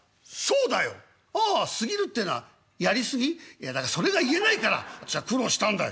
「いやだからそれが言えないからこっちは苦労したんだよ。